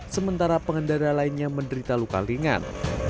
sementara pengendara lainnya menderita luka ringan